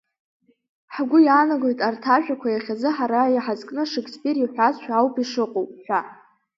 Ҳгәы иаанагоит арҭ ажәақәа иахьазы ҳара иҳазкны Шекспир иҳәазшәа ауп ишыҟоу ҳәа.